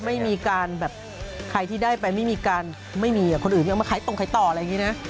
ไม่มีการแบบใครที่ได้ไปมันไม่มีการคนอื่นมันเคยมาใช้ตงไข้ต่ออะไรแบบนี้นะ